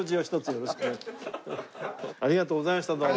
ありがとうございましたどうも。